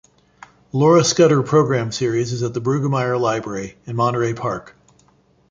Laura Scudder Program Series is at the Bruggemeyer Library, in Monterey Park.